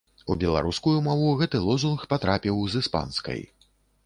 У беларускую мову гэты лозунг патрапіў з іспанскай.